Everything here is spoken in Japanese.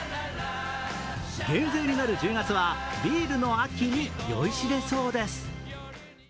減税になる１０月はビールの秋に酔いしれそうです。